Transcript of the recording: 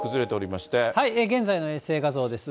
現在の衛星画像です。